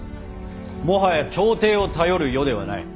もはや朝廷を頼る世ではない。